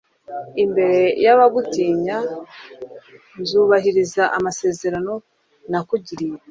imbere y'abagutinya, nzubahiriza amasezerano nakugiriye